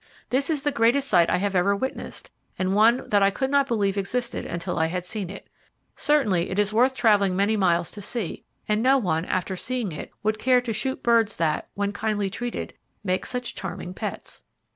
This is the greatest sight I have ever witnessed, and one that I could not believe existed until I had seen it. Certainly it is worth travelling many miles to see, and no one, after seeing it, would care to shoot birds that, when kindly treated, make such charming pets.